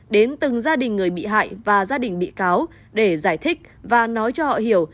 đến từng gia đình người bị hại và gia đình bị cáo để giải thích và nói cho họ hiểu